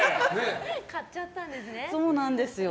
買っちゃったんですね。